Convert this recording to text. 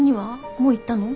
もう言ったの？